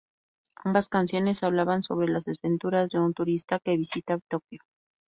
Ambas canciones, hablaban sobre las desventuras de un turista que visita Tokio.